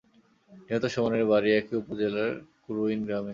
নিহত সুমনের বাড়ি একই উপজেলার কুড়ুইন গ্রামে।